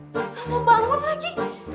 kamu bangun lagi